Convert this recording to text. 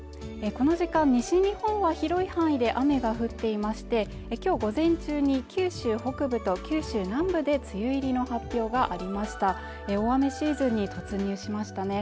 この時間、西日本は広い範囲で雨が降っていまして今日午前中に九州北部と九州南部で梅雨入りの発表がありました大雨シーズンに突入しましたね